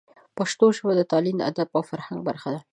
پښتو ژبه د تعلیم، ادب او فرهنګ برخه ده.